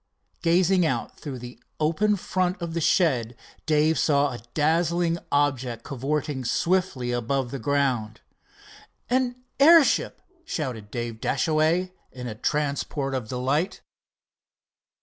Gazing out through the open front of the shed Dave saw a dazzling object cavorting swiftly above the ground. "An airship!" shouted Dave Dashaway in a transport of delight.